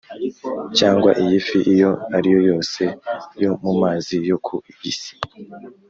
cyangwa iy’ifi iyo ari yo yose yo mu mazi yo ku isi;